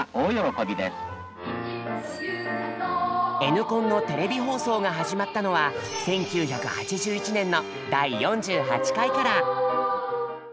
「Ｎコン」のテレビ放送が始まったのは１９８１年の第４８回から。